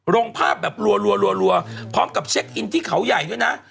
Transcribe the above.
ลงภาพแบบรัวพร้อมกับเช็คอินที่เขาใหญ่ด้วยนะ